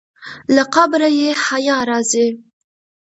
له قبره یې حیا راځي.